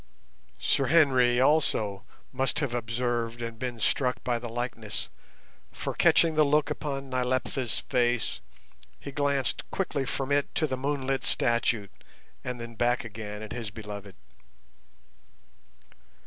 Sir Henry, also, must have observed and been struck by the likeness, for, catching the look upon Nyleptha's face, he glanced quickly from it to the moonlit statue, and then back again at his beloved.